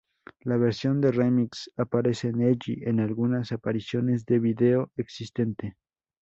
La versión de Remix aparece Nelly en algunas apariciones del video existente.